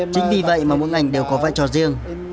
chính vì vậy mà mỗi ngành đều có vai trò riêng